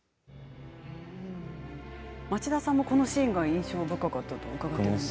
町田さんも、このシーンは印象深かったと伺っています。